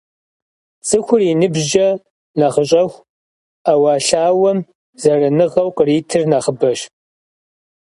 ЦӀыхур и ныбжькӀэ нэхъыщӀэху, Ӏэуэлъауэм зэраныгъэу къритыр нэхъыбэщ.